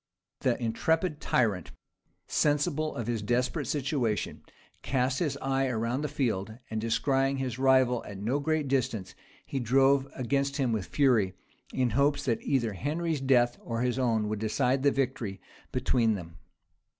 The intrepid tyrant, sensible of his desperate situation, cast his eye around the field, and descrying his rival at no great distance, he drove against him with fury, in hopes that either Henry's death or his own would decide the victory between them.